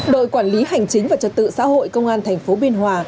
đội quản lý hành chính và trật tự xã hội công an thành phố biên hòa